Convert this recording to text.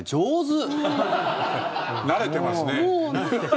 慣れてますね。